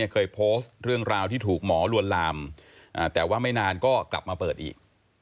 เคยโพสต์เรื่องราวที่ถูกหมอลวนลามแต่ว่าไม่นานก็กลับมาเปิดอีก